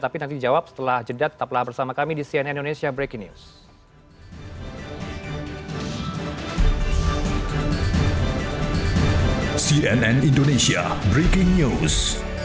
tapi nanti dijawab setelah jeda tetaplah bersama kami di cnn indonesia breaking news